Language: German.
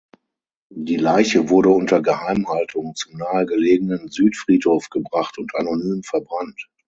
Die Leiche wurde unter Geheimhaltung zum nahe gelegenen Südfriedhof gebracht und anonym verbrannt.